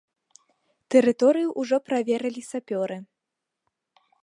Тэрыторыю ўжо праверылі сапёры.